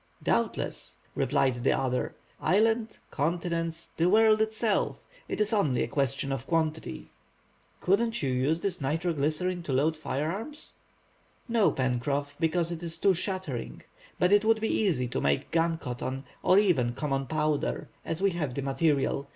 "Doubtless," replied the other, "island, continents, the world itself. It is only a question of quantity." "Couldn't you use this nitro glycerine to load firearms." "No, Pencroff, because it is too shattering. But it would be easy to make gun cotton, or even common powder, as we have the material.